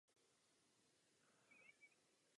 Jeho členem byl i Cornelius Johnson.